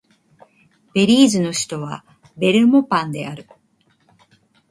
ベリーズの首都はベルモパンである